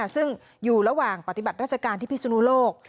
ซึ่งอยู่ระหว่างปฏิบัติราชการที่พิศนุโลก